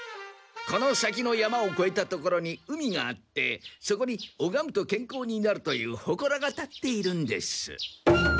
この先の山をこえた所に海があってそこに拝むと健康になるというほこらが立っているんです。